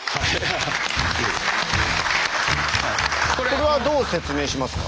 これはどう説明しますか？